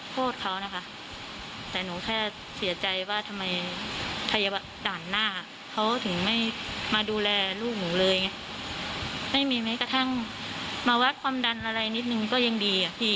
คืนน้องไม่ไหวเขาไม่ไหวจริงแต่นี่ไม่ได้รับการรักษาอะไรสักอย่างเลย